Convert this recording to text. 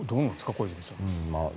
小泉さん。